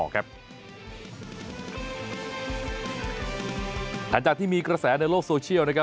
หลังจากที่มีกระแสในโลกโซเชียล